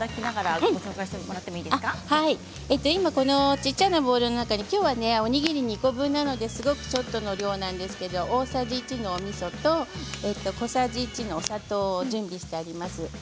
小さいボウルの中におにぎり２個なのでちょっとの量ですが大さじ１のおみそと小さじ１のお砂糖を準備してあります。